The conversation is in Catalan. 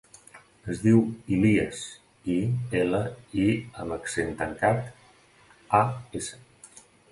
Es diu Ilías: i, ela, i amb accent tancat, a, essa.